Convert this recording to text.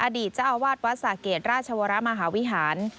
อดีตเจ้าอาวาสวัดสะเกดราชวรมหาวิหาร